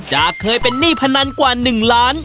จากเคยเป็นหนี้พนันกว่า๑ล้าน